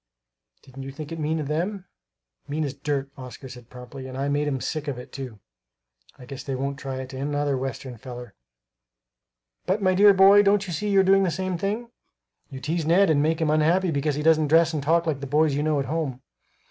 Didn't you think it mean of them?" "Mean as dirt," Oscar said promptly; "and I made 'em sick of it, too. I guess they won't try it on another Western feller!" "But, my dear boy, don't you see you are doing the same thing? You tease Ned and make him unhappy because he doesn't dress and talk like the boys you know at home."